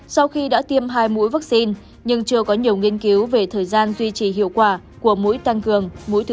sau khi đã tiêm hai mũi vaccine nhưng chưa có nhiều nghiên cứu về thời gian duy trì hiệu quả của mũi tăng cường